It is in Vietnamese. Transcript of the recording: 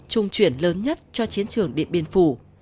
trung chuyển lớn nhất cho chiến trường điện biên phủ